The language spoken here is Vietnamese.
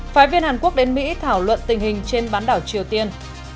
phái viên hàn quốc đến mỹ thảo luận tình hình trên bán đảo triều tiên